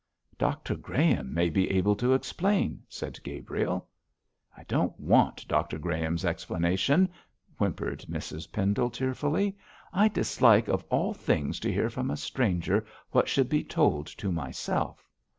'Dr Graham may be able to explain,' said Gabriel. 'I don't want Dr Graham's explanation,' whimpered Mrs Pendle, tearfully. 'I dislike of all things to hear from a stranger what should be told to myself.